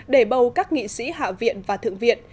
để bầu các nghị sĩ hạ viện và thượng viện